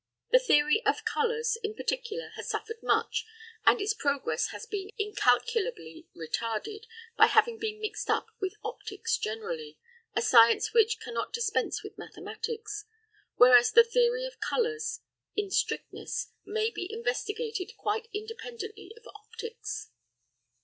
The theory of colours, in particular, has suffered much, and its progress has been incalculably retarded by having been mixed up with optics generally, a science which cannot dispense with mathematics; whereas the theory of colours, in strictness, may be investigated quite independently of optics.